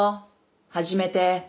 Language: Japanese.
始めて。